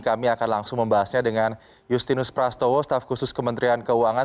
kami akan langsung membahasnya dengan justinus prastowo staf khusus kementerian keuangan